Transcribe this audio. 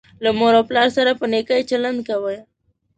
له مور او پلار سره په نیکۍ چلند کوه